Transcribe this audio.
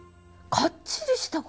かっちりした句。